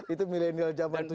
itu milenial jaman tujuh